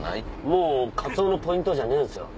もうカツオのポイントじゃねえんですよ。